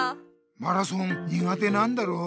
マラソン苦手なんだろ？